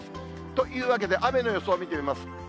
というわけで雨の予想を見てみます。